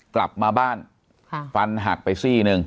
กลับมาบ้านฟันหักไปซี่หนึ่ง